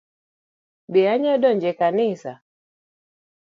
Be anyalo donjo e kanisa?